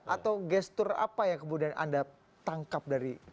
atau gestur apa yang kemudian anda tangkap dari